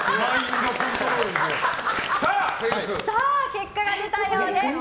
さあ、結果が出たようです！